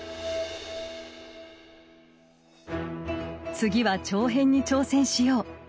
「次は長編に挑戦しよう」。